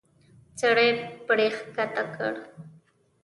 سړی پړی کښته کړ.